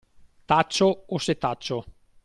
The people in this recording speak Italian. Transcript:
Taccio o setaccio.